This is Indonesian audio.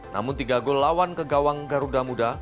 namun tiga gol lawan ke gawang garuda muda